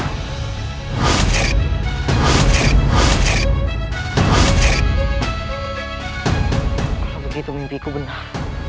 kalau begitu mimpiku benar